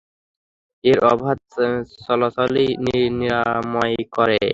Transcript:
এর অবাধ চলাচলই নিরাময় করে।